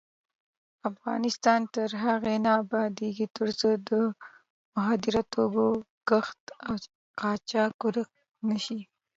افغانستان تر هغو نه ابادیږي، ترڅو د مخدره توکو کښت او قاچاق ورک نشي.